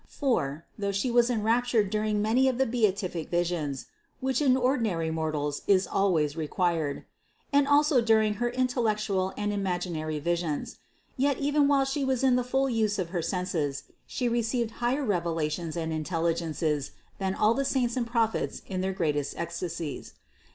For, though She was enrapt ured during many of the beatific visions, (which in ordi nary mortals is always required), and also during her in tellectual and imaginary visions ; yet, even while She was in the full use of her senses, She received higher revela tions and intelligences than all the saints and Prophets in their greatest ecstasies.